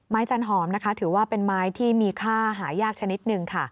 ไม้จันหอมถือว่าเป็นไม้ที่มีค่าหายากชนิดหนึ่ง